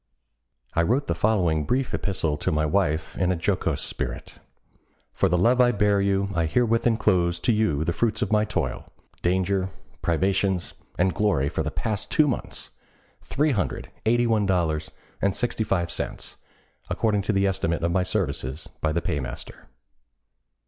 I wrote the following brief epistle to my wife in a jocose spirit: "For the love I bear you, I herewith enclose to you the fruits of my toil, danger, privations, and glory for the past two months, $381.65, according to the estimate of my services by the paymaster."